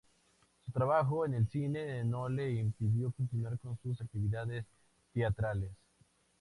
Su trabajo en el cine no le impidió continuar con sus actividades teatrales.